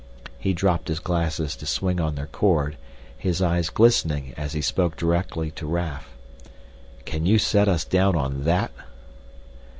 He dropped his glasses to swing on their cord, his eyes glistening as he spoke directly to Raf. "Can you set us down on that?"